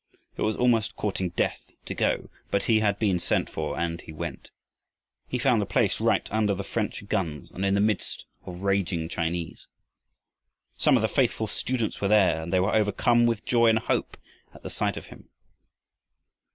It was almost courting death to go, but he had been sent for, and he went. He found the place right under the French guns and in the midst of raging Chinese. Some of the faithful students were there, and they were overcome with joy and hope at the sight of him.